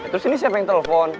terus ini siapa yang telepon